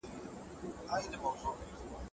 هم خدای او هم مخلوق.